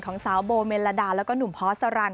ของสาวโบเมลดาแล้วก็หนุ่มพอสรัน